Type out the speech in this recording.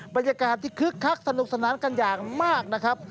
บรรยากาศที่คึกคักสนุกสนานกันอย่างมากนะครับ